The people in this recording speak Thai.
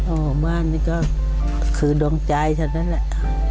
โอ้โหบ้านนี่ก็คือดวงใจฉันนั่นแหละ